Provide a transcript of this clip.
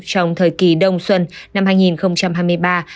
trong thời kỳ đông xuân năm hai nghìn hai mươi ba hai nghìn hai mươi bốn